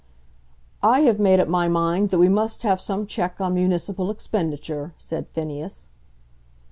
"I have made up my mind that we must have some check on municipal expenditure," said Phineas.